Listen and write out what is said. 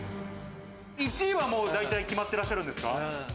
１位はもう大体決まってらっしゃるんですか？